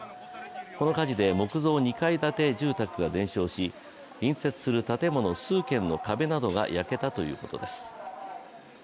この火事で木造２階建て住宅が全焼し、隣接する建物数軒の壁などが焼けたということです。